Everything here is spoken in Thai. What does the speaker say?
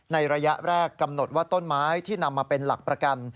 ระยะแรกกำหนดว่าต้นไม้ที่นำมาเป็นหลักประกัน